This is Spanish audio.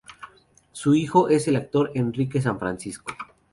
Su hijo es el actor Enrique San Francisco.